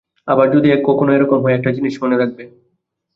আবার যদি কখনো এ-রকম হয়, একটা জিনিস মনে রাখবে।